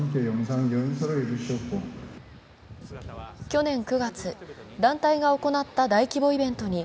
去年９月、団体が行った大規模イベントに